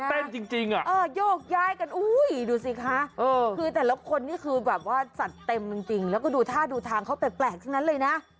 จริงโยกย้ายกันอุ้ยดูสิคะคือแต่ละคนนี่คือแบบว่าจัดเต็มจริงแล้วก็ดูท่าดูทางเขาแปลกทั้งนั้นเลยนะ